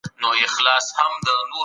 ماشومان له کمپیوټر لږ لېرې کېږي.